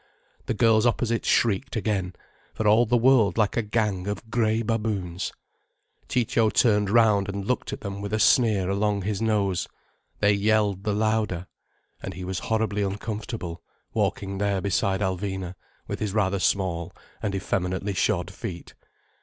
The girls opposite shrieked again, for all the world like a gang of grey baboons. Ciccio turned round and looked at them with a sneer along his nose. They yelled the louder. And he was horribly uncomfortable, walking there beside Alvina with his rather small and effeminately shod feet.